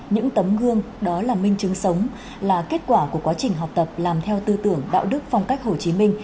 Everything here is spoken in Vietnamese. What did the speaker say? những tấm gương đó là minh chứng sống là kết quả của quá trình học tập làm theo tư tưởng đạo đức phong cách hồ chí minh